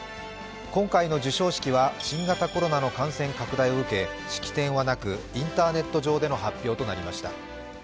今回の授賞式は新型コロナの感染拡大を受け式典はなくインターネット上での発表となりました。